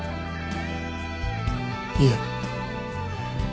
いえ。